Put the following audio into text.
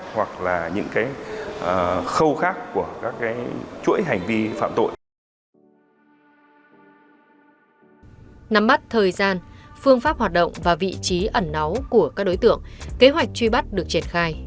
hãy đăng ký kênh để ủng hộ kênh của mình nhé